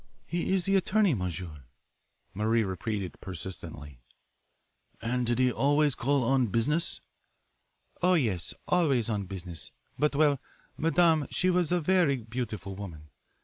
"He is the attorney, m'sieur," Marie repeated persistently. "And he, did he always call on business?" "Oh, yes, always on business, but well, madame, she was a very beautiful woman.